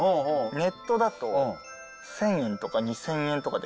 ネットだと１０００円とか２０００円とかで。